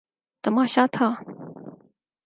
تماشا تھا۔